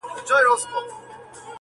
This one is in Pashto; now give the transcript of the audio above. معاش مو یو برابره مو حِصه ده,